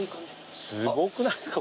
すごくないっすか？